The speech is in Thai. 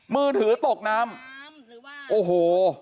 มือถือตกน้ำโอ้โห